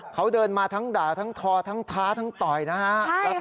เขาเดินมาทั้งด่าทั้งทอท้าทั้งต่อยนะครับ